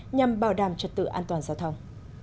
nhằm bảo đảm trật tự an toàn giao thông